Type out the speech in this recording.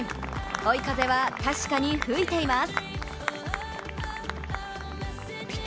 追い風は確かに吹いています。